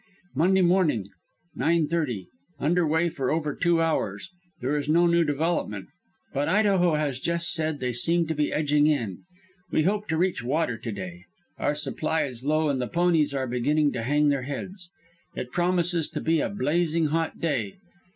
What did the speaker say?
"Monday morning, nine thirty. Under way for over two hours. There is no new development. But Idaho has just said that they seem to be edging in. We hope to reach water to day. Our supply is low, and the ponies are beginning to hang their heads. It promises to be a blazing hot day.